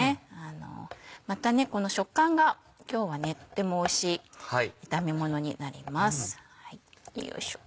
またこの食感が今日はとてもおいしい炒めものになります。